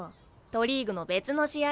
都リーグの別の試合。